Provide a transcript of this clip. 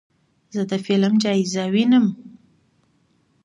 زه د فلم جایزه وینم.